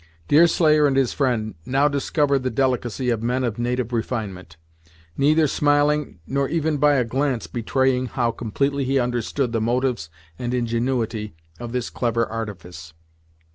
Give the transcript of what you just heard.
Deerslayer and his friend now discovered the delicacy of men of native refinement, neither smiling or even by a glance betraying how completely he understood the motives and ingenuity of this clever artifice.